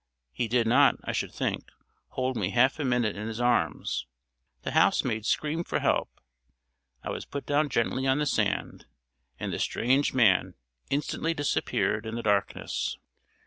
He did not, I should think, hold me half a minute in his arms. The housemaid screamed for help. I was put down gently on the sand, and the strange man instantly disappeared in the darkness.